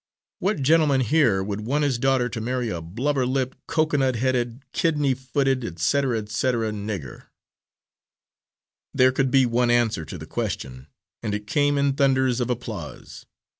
What gentleman here would want his daughter to marry a blubber lipped, cocoanut headed, kidney footed, etc., etc., nigger?" There could be but one answer to the question, and it came in thunders of applause.